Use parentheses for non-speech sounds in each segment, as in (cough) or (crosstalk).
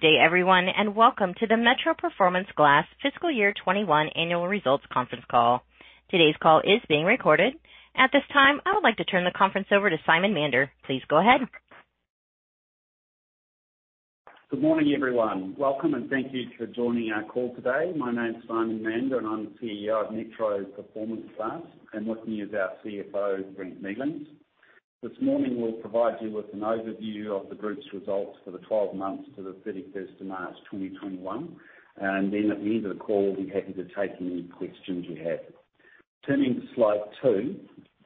Good day everyone. Welcome to the Metro Performance Glass Fiscal Year 2021 Annual Results Conference Call. Today's call is being recorded. At this time, I would like to turn the conference over to Simon Mander. Please go ahead. Good morning, everyone. Welcome, and thank you for joining our call today. My name is Simon Mander, and I'm CEO of Metro Performance Glass, and with me is our CFO, Brent Mealings. This morning, we'll provide you with an overview of the group's results for the 12 months to the 31st of March 2021, and then at the end of the call, be happy to take any questions you have. Turning to slide two,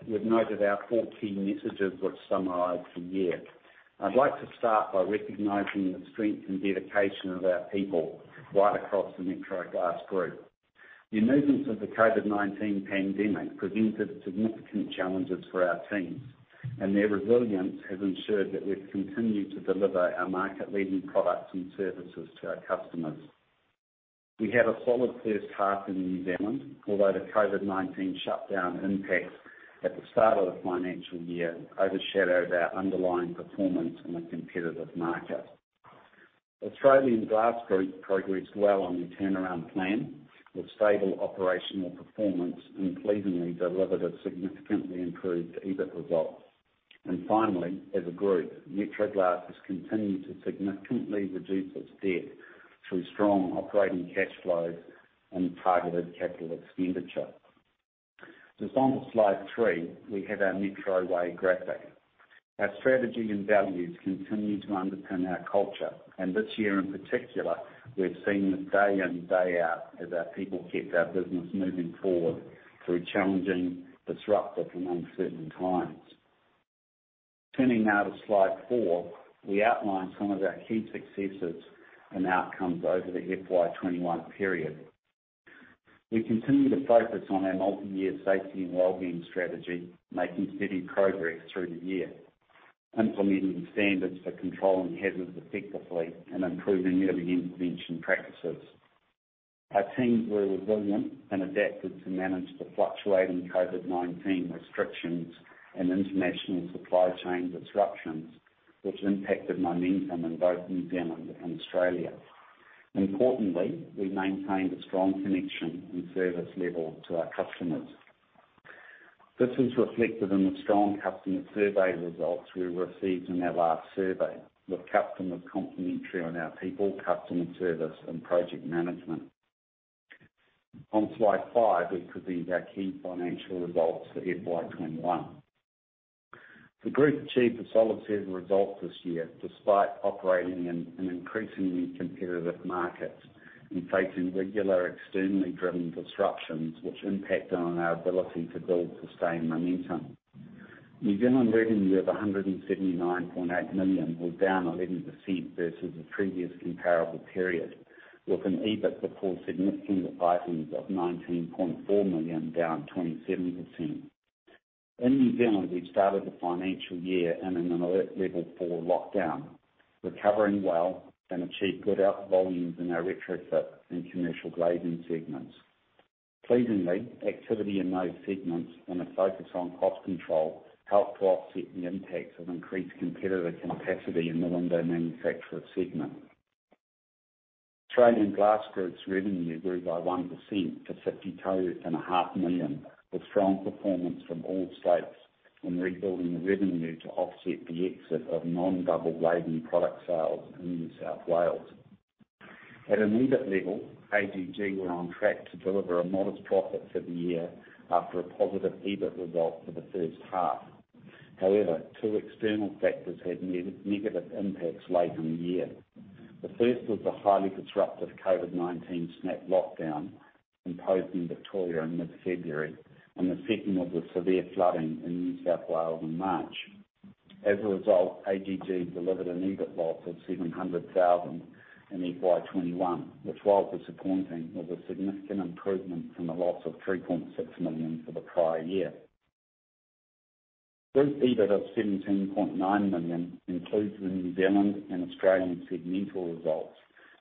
you'll note our four key messages, which summarize the year. I'd like to start by recognizing the strength and dedication of our people right across the Metro Glass Group. The emergence of the COVID-19 pandemic presented significant challenges for our teams, and their resilience has ensured that we've continued to deliver our market-leading products and services to our customers. We had a solid first half in New Zealand, although the COVID-19 shutdown impact at the start of the financial year overshadowed our underlying performance in a competitive market. Australian Glass Group progressed well on their turnaround plan, with stable operational performance and pleasingly delivered a significantly improved EBIT result. Finally, as a group, Metro Glass has continued to significantly reduce its debt through strong operating cash flow and targeted CapEx. Just onto slide three, we have our Metro Way graphic. Our strategy and values continue to underpin our culture. This year in particular, we've seen this day in, day out, as our people kept our business moving forward through challenging, disruptive, and uncertain times. Turning now to slide four, we outline some of our key successes and outcomes over the FY 2021 period. We continue to focus on our multi-year safety and wellbeing strategy, making steady progress through the year, implementing standards for controlling hazards effectively and improving early intervention practices. Our teams were resilient and adapted to manage the fluctuating COVID-19 restrictions and international supply chain disruptions, which impacted momentum in both New Zealand and Australia. Importantly, we maintained a strong connection and service level to our customers. This is reflected in the strong customer survey results we received in our last survey, with customers complimentary on our people, customer service, and project management. On slide five, we present our key financial results for FY21. The group achieved a solid set of results this year, despite operating in an increasingly competitive market and facing regular externally driven disruptions which impact on our ability to build sustained momentum. New Zealand revenue of 179.8 million was down 11% versus the previous comparable period, with an EBIT before significant items of 19.4 million down 27%. In New Zealand, we started the financial year in an Alert Level 4 lockdown, recovering well and achieved good volumes in our retrofit and commercial glazing segments. Pleasingly, activity in those segments and a focus on cost control helped to offset the impacts of increased competitive capacity in the window manufacturer segment. Australian Glass Group's revenue grew by 1% to 52.5 million, with strong performance from all states and rebuilding revenue to offset the exit of non-double glazing product sales in New South Wales. At an EBIT level, AGG were on track to deliver a modest profit for the year after a positive EBIT result for the first half. However, two external factors had negative impacts late in the year. The first was the highly disruptive COVID-19 snap lockdown imposed in Victoria in mid-February. The second was the severe flooding in New South Wales in March. As a result, AGG delivered an EBIT loss of 700,000 in FY21, which, while disappointing, was a significant improvement from the loss of 3.6 million for the prior year. Group EBIT of 17.9 million includes the New Zealand and Australian segmental results,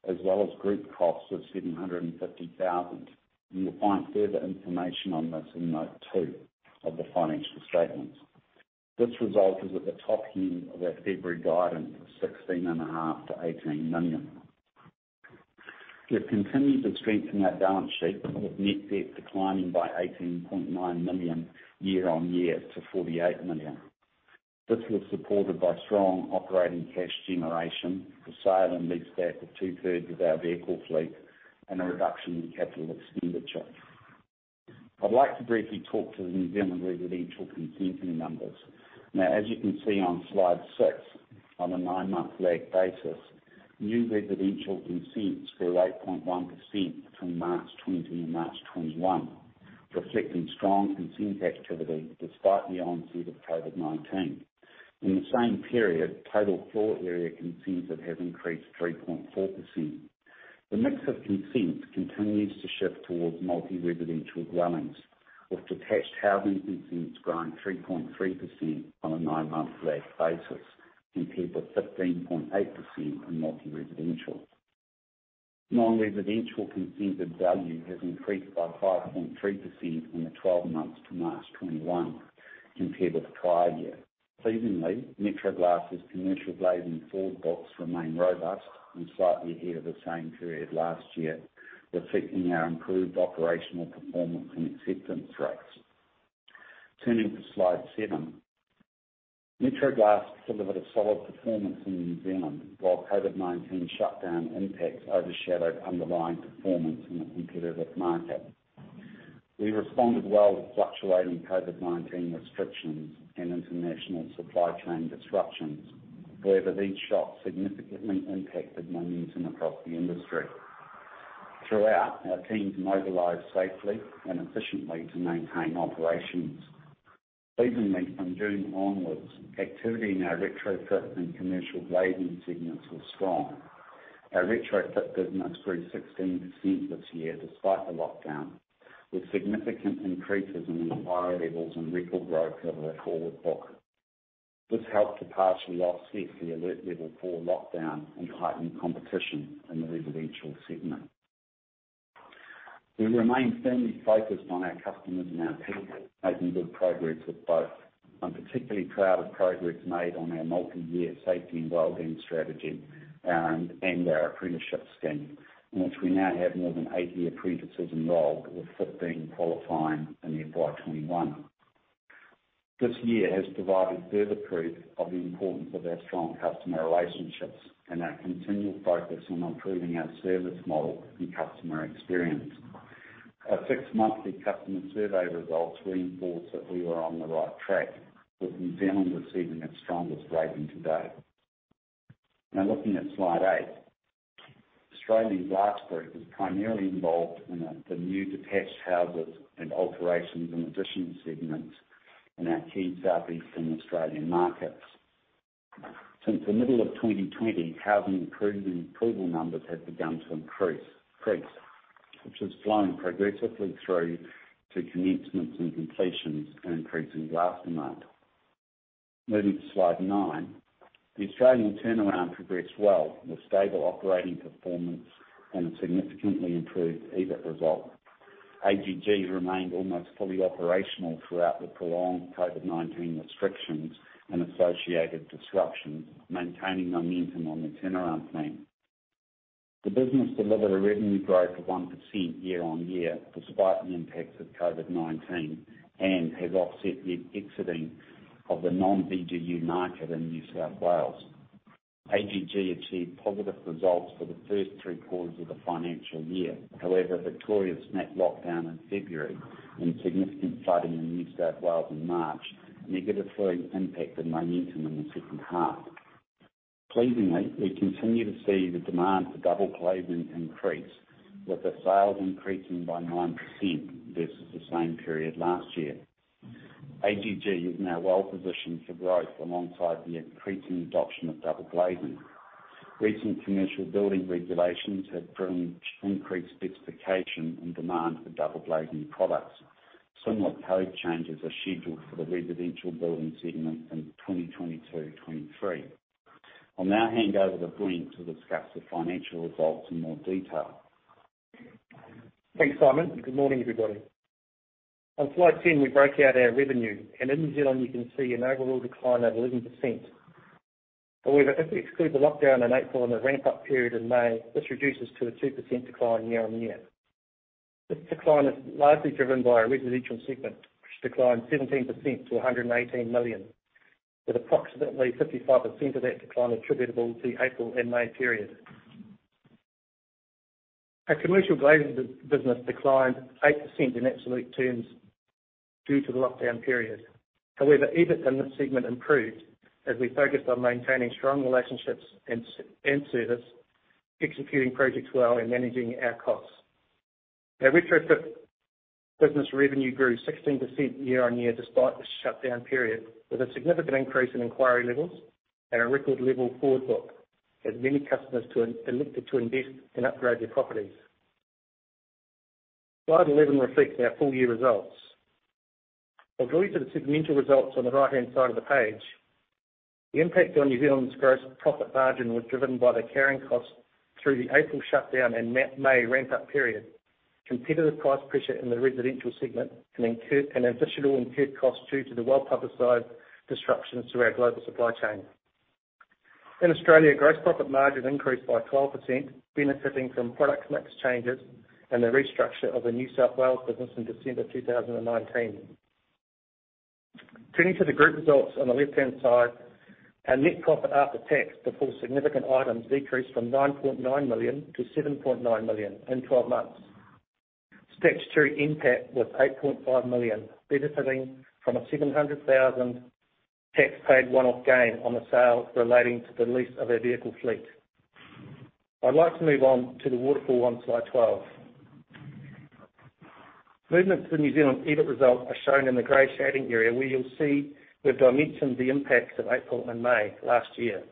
as well as group costs of 750,000. You will find further information on this in note two of the financial statements. This result is at the top end of our February guidance of 16.5 million-18 million. We have continued to strengthen our balance sheet, with net debt declining by 18.9 million year-on-year to 48 million. This was supported by strong operating cash generation, the sale and leaseback of two-thirds of our vehicle fleet, a reduction in capital expenditure. I'd like to briefly talk to the New Zealand residential consenting numbers. As you can see on slide six, on a nine-month lag basis, new residential consents grew 8.1% between March 2020 and March 2021, reflecting strong consent activity despite the onset of COVID-19. In the same period, total floor area consent has increased 3.4%. The mix of consents continues to shift towards multi-residential dwellings, with detached housing consents growing 3.3% on a nine-month lag basis compared to 15.8% for multi-residential. Non-residential consented values have increased by 5.3% in the 12 months to March 2021 compared with prior year. Pleasingly, Metro Glass' commercial glazing forward books remain robust and slightly ahead of the same period last year, reflecting our improved operational performance and acceptance rates. Turning to slide seven. Metro Glass delivered a solid performance in New Zealand while COVID-19 shutdown impacts overshadowed underlying performance in the competitive market. We responded well to fluctuating COVID-19 restrictions and international supply chain disruptions. However, these shocks significantly impacted momentum across the industry. Throughout, our teams mobilized safely and efficiently to maintain operations. Pleasingly, from June onwards, activity in our retrofit and commercial glazing segments was strong. Our retrofit business grew 16% this year despite the lockdown, with significant increases in inquiry levels and record growth level forward book. This helped to partially offset the Alert Level 4 lockdown and heightened competition in the residential segment. We remain firmly focused on our customers and our people, making good progress with both. I'm particularly proud of progress made on our multi-year safety and wellbeing strategy and our apprenticeship scheme, in which we now have more than 80 apprentices enrolled, with 15 qualifying in the FY21. This year has provided further proof of the importance of our strong customer relationships and our continual focus on improving our service model and customer experience. Our six-monthly customer survey results reinforce that we are on the right track, with New Zealand receiving its strongest rating to date. Looking at slide eight. Australian Glass Group is primarily involved in the new detached houses and alterations and addition segments in our key southeastern Australian markets. Since the middle of 2020, housing approval numbers have begun to increase, which has flown progressively through to commencements and completions increasing last month. Moving to slide nine. The Australian turnaround progressed well with stable operating performance and significantly improved EBIT results. AGG remained almost fully operational throughout the prolonged COVID-19 restrictions and associated disruptions, maintaining momentum on the turnaround plan. The business delivered a revenue growth of 1% year-on-year despite the impacts of COVID-19 and has offset the exiting of the non-VGU market in New South Wales. AGG achieved positive results for the first three quarters of the financial year. However, Victoria's snap lockdown in February and significant flooding in New South Wales in March negatively impacted momentum in the second half. Pleasingly, we continue to see the demand for double glazing increase, with the sales increasing by 9% versus the same period last year. AGG is now well positioned for growth alongside the increasing adoption of double glazing. Recent commercial building regulations have driven increased specification and demand for double glazing products. Similar code changes are scheduled for the residential building segment in 2022-23. I'll now hand over to Brent to discuss the financial results in more detail. Thanks, Simon, and good morning, everybody. On slide 10, we break out our revenue, and in New Zealand, you can see an overall decline of 11%. However, if we exclude the lockdown in April and the ramp-up period in May, this reduces to a 2% decline year-on-year. This decline is largely driven by our residential segment, which declined 17% to 118 million, with approximately 55% of that decline attributable to the April and May period. Our commercial glazing business declined 8% in absolute terms due to the lockdown period. However, EBIT in this segment improved as we focused on maintaining strong relationships and service, executing projects well, and managing our costs. Our retrofit business revenue grew 16% year-on-year despite the shutdown period, with a significant increase in inquiry levels and a record level forward book as many customers looked to invest and upgrade their properties. Slide 11 reflects our full-year results. I'll draw you to the sequential results on the right-hand side of the page. The impact on New Zealand's gross profit margin was driven by the carrying costs through the April shutdown and May ramp-up period, competitive price pressure in the residential segment, and additional incurred costs due to the well-publicized disruptions to our global supply chain. In Australia, gross profit margin increased by 12%, benefiting from product mix changes and the restructure of the New South Wales business in December 2019. Turning to the group results on the left-hand side, our net profit after tax before significant items decreased from 9.9 million to 7.9 million in 12 months. Statutory NPAT was 8.5 million, benefiting from a 700,000 tax-paid one-off gain on the sale relating to the lease of our vehicle fleet. I'd like to move on to the waterfall on slide 12. Movements in New Zealand EBIT results are shown in the gray shading area, where you'll see we've dimensioned the impacts of April and May last year.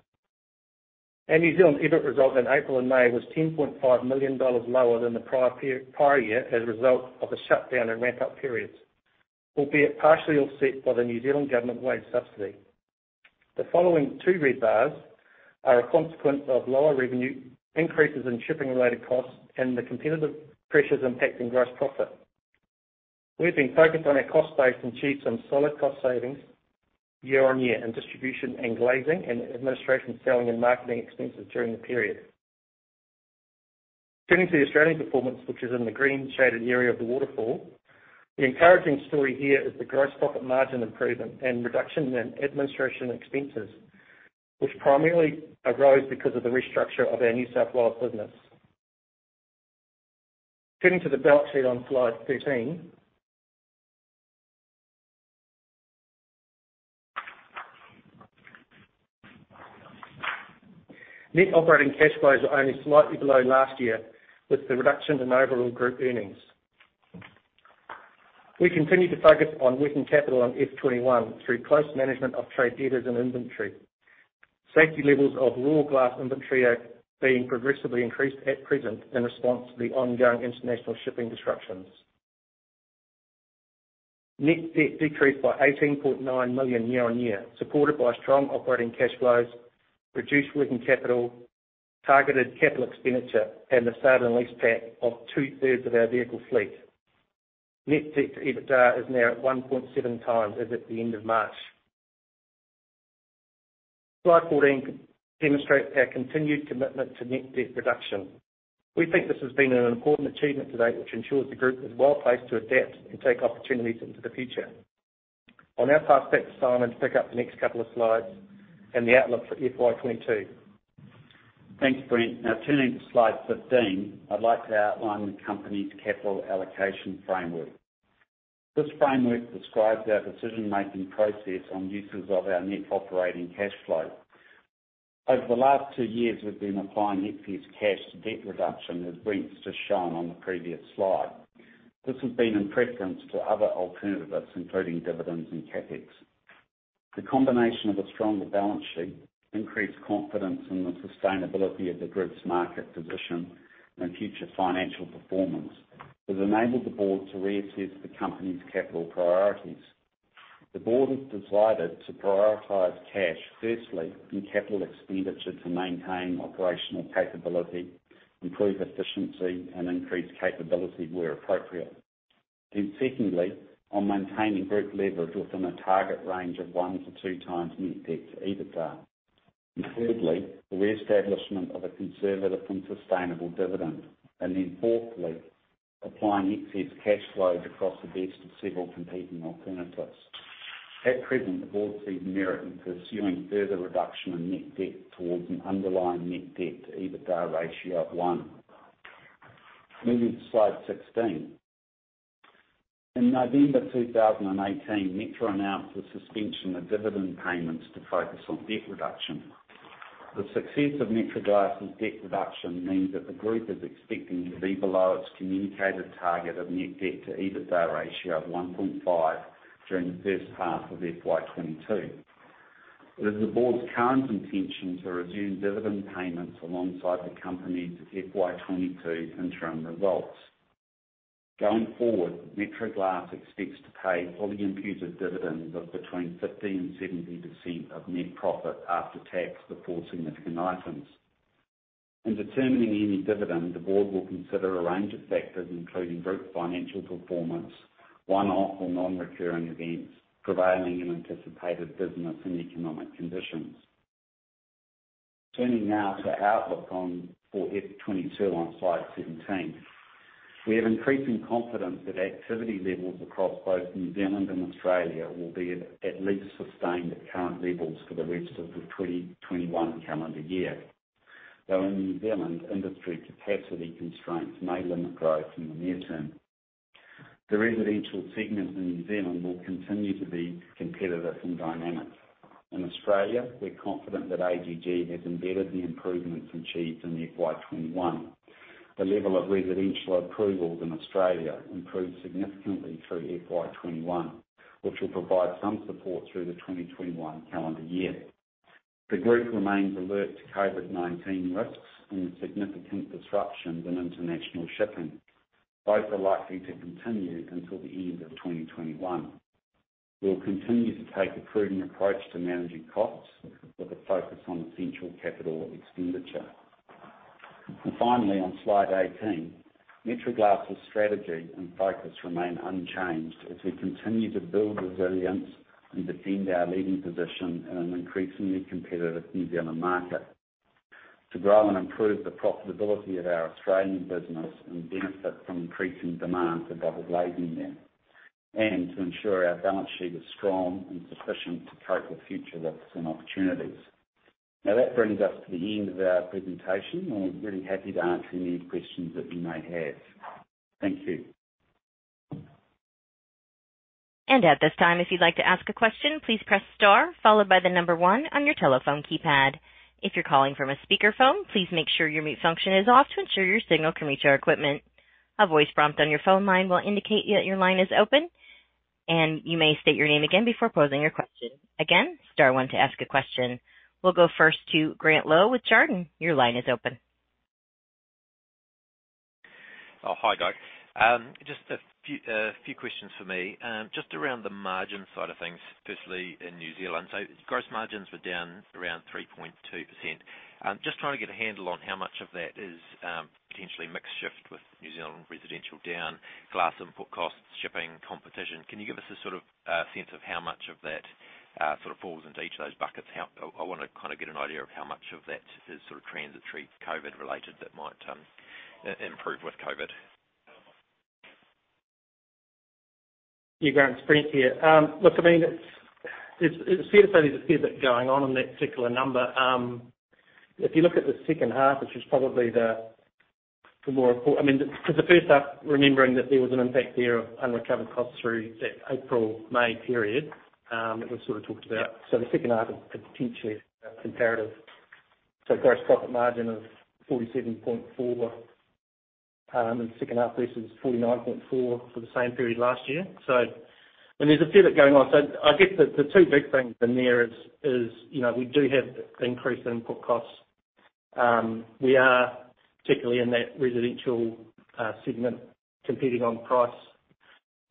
Our New Zealand EBIT result in April and May was 10.5 million dollars lower than the prior year as a result of the shutdown and ramp-up periods, albeit partially offset by the New Zealand government wage subsidy. The following two red bars are a consequence of lower revenue, increases in shipping-related costs, and the competitive pressures impacting gross profit. We've been focused on our cost base and achieved some solid cost savings year-on-year in distribution and glazing and administration, selling and marketing expenses during the period. Turning to the Australian performance, which is in the green shaded area of the waterfall. The encouraging story here is the gross profit margin improvement and reduction in administration expenses, which primarily arose because of the restructure of our New South Wales business. Turning to the balance sheet on slide 13. Net operating cash flows are only slightly below last year with the reduction in overall group earnings. We continue to focus on working capital in FY 2021 through close management of trade debtors and inventory. Safety levels of raw glass inventory are being progressively increased at present in response to the ongoing international shipping disruptions. Net debt decreased by 18.9 million year-on-year, supported by strong operating cash flows, reduced working capital, targeted capital expenditure, and the sale and leaseback of two-thirds of our vehicle fleet. Net debt to EBITDA is now at 1.7 times as at the end of March. Slide 14 demonstrates our continued commitment to net debt reduction. We think this has been an important achievement to date, which ensures the group is well-placed to adapt and take opportunities into the future. I'll now pass back to Simon to pick up the next couple of slides and the outlook for FY22. Turning to slide 15, I'd like to outline the company's capital allocation framework. This framework describes our decision-making process on uses of our net operating cash flow. Over the last two years, we've been applying excess cash to debt reduction, as Brent has shown on the previous slide. This has been in preference to other alternatives, including dividends and CapEx. The combination of a stronger balance sheet increased confidence in the sustainability of the group's market position and future financial performance. It enabled the board to reassess the company's capital priorities. The board has decided to prioritize cash, firstly, in capital expenditure to maintain operational capability, improve efficiency, and increase capability where appropriate. Secondly, on maintaining group leverage within a target range of one to two times net debt to EBITDA. Thirdly, the reestablishment of a conservative and sustainable dividend. Fourthly, applying excess cash flows across a range of several competing alternatives. At present, the board sees merit in pursuing further reduction in net debt towards an underlying net debt to EBITDA ratio of one. Moving to slide 16. In November 2018, Metro announced the suspension of dividend payments to focus on debt reduction. The success of Metro Glass' debt reduction means that the group is expecting to be below its communicated target of net debt to EBITDA ratio of 1.5 during the first half of FY22. It is the board's current intention to resume dividend payments alongside the company's FY22 interim results. Going forward, Metro Glass expects to pay fully imputed dividends of between 15% and 70% of net profit after tax before significant items. In determining any dividend, the board will consider a range of factors, including group financial performance, one-off or non-recurring events, prevailing and anticipated business and economic conditions. Turning now to outlook for FY22 on slide 17. We have increasing confidence that activity levels across both New Zealand and Australia will be at least sustained at current levels for the rest of the 2021 calendar year, though in New Zealand, industry capacity constraints may limit growth in the near term. The residential segment in New Zealand will continue to be competitive and dynamic. In Australia, we're confident that AGG has embedded the improvements achieved in FY21. The level of residential approvals in Australia improved significantly through FY21, which will provide some support through the 2021 calendar year. The group remains alert to COVID-19 risks and significant disruptions in international shipping. Both are likely to continue until the end of 2021. We'll continue to take a prudent approach to managing costs, with a focus on essential capital expenditure. Finally, on slide 18, Metro Glass' strategy and focus remain unchanged as we continue to build resilience and defend our leading position in an increasingly competitive New Zealand market. To grow and improve the profitability of our Australian business and benefit from increasing demands for double glazing there. To ensure our balance sheet is strong and sufficient to tackle future risks and opportunities. Now that brings us to the end of our presentation, and we're really happy to answer any questions that you may have. Thank you. At this time if you would like to ask a question please press star followed by number one on your telephone keypad. If you calling from the speaker phone please make sure muted function is off to ensure your signal (inaudible) equipment. A voice from your line will indicate that your line is open and you may state your name again before pausing your question. Again star one to ask your question. We'll go first to Grant Lowe with Jarden. Your line is open Oh, hi, guys. Just a few questions for me, just around the margin side of things, especially in New Zealand. Gross margins are down around 3.2%. I'm just trying to get a handle on how much of that is potentially mix shift with New Zealand residential down, glass input costs, shipping, competition. Can you give us a sense of how much of that falls into each of those buckets? I want to get an idea of how much of that just is transitory COVID-related that might improve with COVID. Yeah. Grant Spence here. Look, there's a fair bit going on in that particular number. If you look at the second half, which is probably the more important Because the first half, remembering that there was an impact there of recovery costs through that April-May period that we've sort of talked about. The second half is potentially comparative. Gross profit margin is 47.4% in the second half versus 49.4% for the same period last year. There's a fair bit going on. I guess the two big things in there is, we do have increased input costs. We are, particularly in that residential segment, competing on price,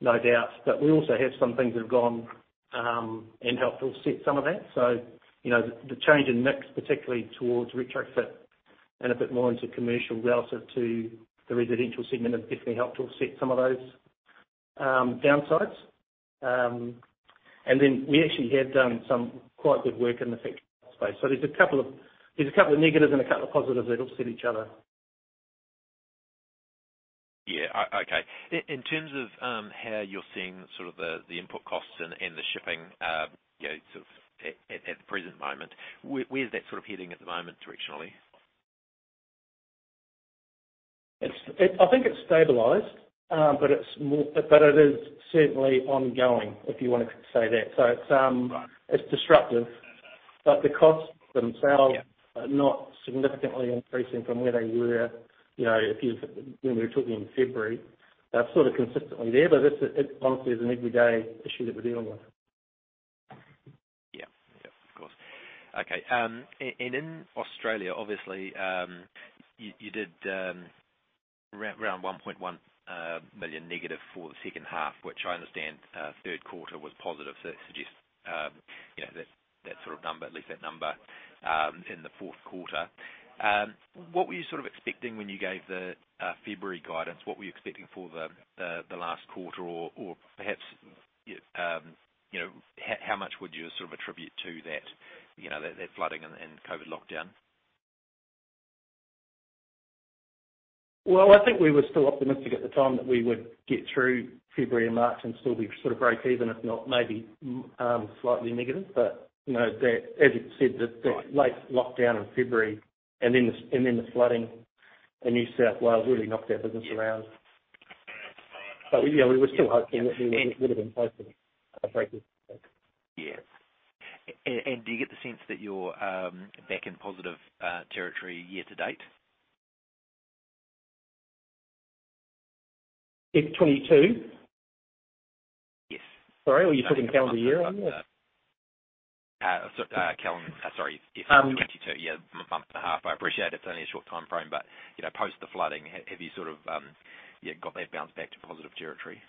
no doubt, but we also have some things that have gone and helped offset some of that. The change in mix, particularly towards retrofit and a bit more into commercial relative to the residential segment, has definitely helped offset some of those downsides. We actually have done some quite good work in the fixed cost space. There's a couple of negatives and a couple of positives that offset each other. Yeah. Okay. In terms of how you're seeing the input costs and the shipping at the present moment, where's that sitting at the moment directionally? I think it's stabilized, but it is certainly ongoing, if you want to say that. It's disruptive, but the costs themselves are not significantly increasing from where they were when we were talking in February. They're sort of consistently there, but it's honestly an everyday issue that we're dealing with. Yeah. Of course. Okay. In Australia, obviously, you did around 1.1 million negative for the second half, which I understand third quarter was positive. It suggests at least that number in the fourth quarter. What were you expecting when you gave the February guidance? What were you expecting for the last quarter? Perhaps, how much would you attribute to that flooding and COVID-19 lockdown? Well, I think we were still optimistic at the time that we would get through February and March and still be breakeven, if not maybe slightly negative. As you said, that late lockdown in February and then the flooding in New South Wales really knocked our business around. Yeah, we were still hoping that we would have been breakeven. Yeah. Do you get the sense that you're back in positive territory year to date? Fiscal 2022? Yes. Sorry, were you talking calendar year, were you? Sorry, yes. Fiscal 2022, yeah, month to half. I appreciate it's only a short timeframe. Post the flooding, have you got that bounce back to positive territory?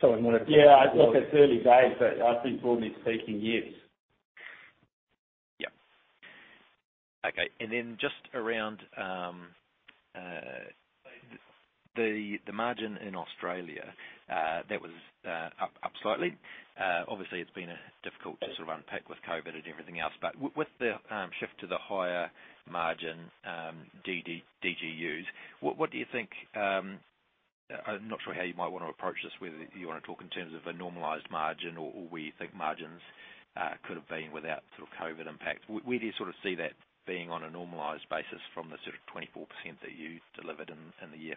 Sorry. Look, it's early days, but I think broadly speaking, yes. Yeah. Okay. Then just around the margin in Australia, that was up slightly. Obviously, it's been a difficult run with COVID and everything else. With the shift to the higher margin DGUs, what do you think I'm not sure how you might want to approach this, whether you want to talk in terms of a normalized margin or where you think margins could have been without COVID impact. Where do you see that being on a normalized basis from the sort of 24% that you've delivered in the year?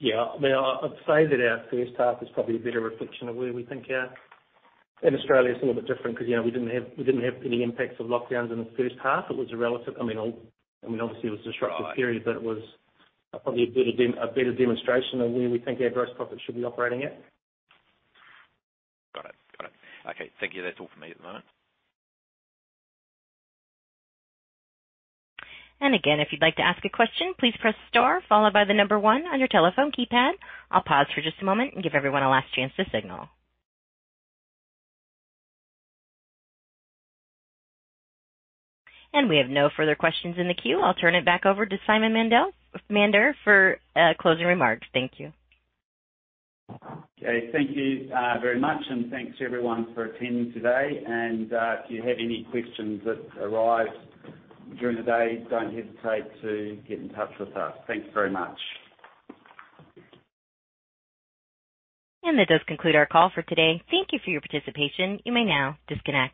Yeah. I'd say that our first half is probably a better reflection. Australia's a little bit different because we didn't have any impact of lockdowns in the first half. It was obviously a disruptive period, but it was probably a better demonstration of where we think our gross profit should be operating at. Got it. Okay. Thank you. That's all from me at the moment. Again, if you'd like to ask a question, please press star followed by the number 1 on your telephone keypad. I'll pause for just a moment and give everyone a last chance to signal. We have no further questions in the queue. I'll turn it back over to Simon Mander for closing remarks. Thank you. Okay. Thank you very much, and thanks everyone for attending today. If you have any questions that arise during the day, don't hesitate to get in touch with us. Thanks very much. And that does conclude our call for today. Thank you for your participation. You may now disconnect.